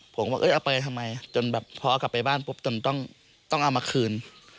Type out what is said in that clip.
ผมก็บอกเอาไปทำไมจนแบบพอเอากลับไปบ้านปุ๊บจนต้องเอามาคืน